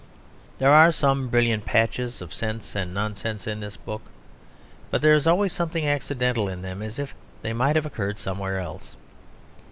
There are some brilliant patches of sense and nonsense in this book; but there is always something accidental in them; as if they might have occurred somewhere else.